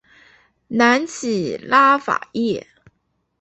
南起拉法叶。